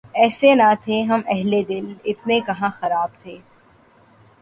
ایسے نہ تھے ہم اہلِ دل ، اتنے کہاں خراب تھے